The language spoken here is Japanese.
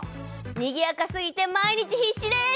にぎやかすぎて毎日必死です！